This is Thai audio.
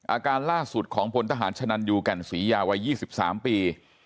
อาการล่าสุดของพลทหารชนันยูแก่นศรียาวัย๒๓ปี